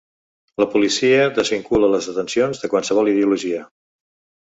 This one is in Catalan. La policia desvincula les detencions de qualsevol ideologia.